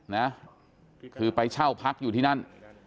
นะคือไปเช่าพักอยู่ที่นั่น